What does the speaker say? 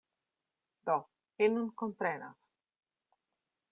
Do, vi nun komprenas.